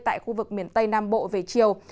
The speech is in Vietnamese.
tại khu vực miền tây nam bộ về chiều